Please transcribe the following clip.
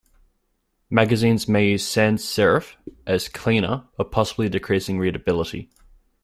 Magazines may use sans-serif as "cleaner", but possibly decreasing readability.